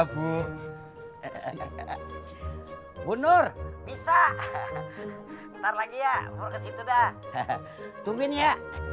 bunur bisa ntar lagi ya tungguin ya